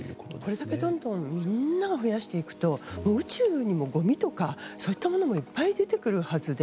これだけどんどんみんなが増やしてくと宇宙にもごみとか、そういったものもいっぱい出てくるはずで。